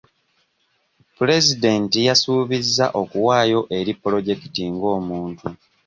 Pulezidenti yasuubizza okuwaayo eri pulojekiti ng'omuntu.